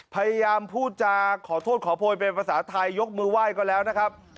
พยายามพูดจาขอโทษขอโพยเป็นภาษาไทยยกมือไหว้ก็แล้วนะครับ